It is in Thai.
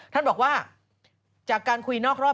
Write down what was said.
ท่านบอกว่าจากการคุยนอกรอบ